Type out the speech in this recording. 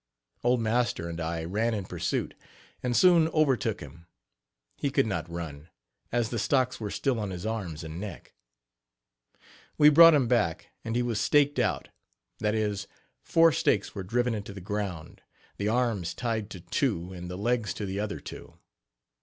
Old master and I ran in pursuit, and soon overtook him. He could not run, as the stocks were still on his arms and neck. We brought him back, and he was "staked out" that is, four stakes were driven into the ground, the arms tied to two and the legs to the other two.